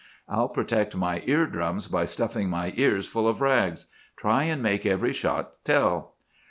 I'll protect my ear drums by stuffing my ears full of rags. Try and make every shot tell.